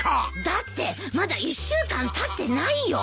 だってまだ１週間たってないよ？